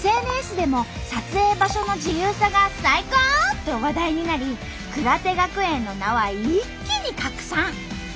ＳＮＳでも撮影場所の自由さが最高！と話題になり「くらて学園」の名は一気に拡散！